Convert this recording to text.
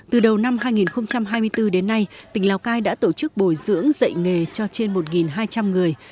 từ đầu năm hai nghìn hai mươi bốn đến nay tỉnh lào cai đã tổ chức bồi dưỡng dạy nghề cho trên một hai trăm linh người